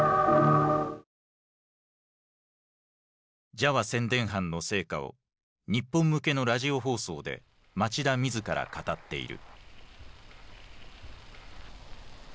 ジャワ宣伝班の成果を日本向けのラジオ放送で町田自ら語っている。